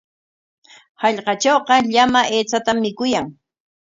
Hallqatrawqa llama aychatam mikuyan.